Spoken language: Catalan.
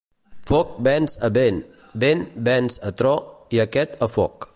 Foc venç a Vent, Vent venç a Tro i aquest a Foc.